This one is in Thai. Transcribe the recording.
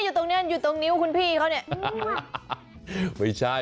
อยู่ตรงนี้อยู่ตรงนิ้วคุณพี่เขาเนี่ย